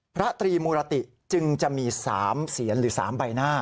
พระตรีมุรติจึงจะมี๓เสียนหรือ๓ใบหน้า